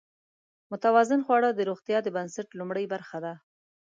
متوازن خواړه د روغتیا د بنسټ لومړۍ برخه ده.